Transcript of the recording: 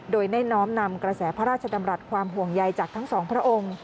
โดยได้น้อมนำกระแสพระราชดำรัฐความห่วงใยจากทั้งสองพระองค์